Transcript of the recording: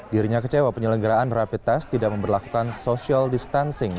dirinya kecewa penyelenggaraan rapid test tidak memperlakukan social distancing